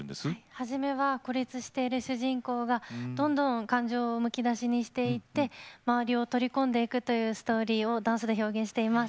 初めは孤立している主人公がどんどん感情をむき出しにしていって周りを取り込んでいくというストーリーをダンスで表現しています。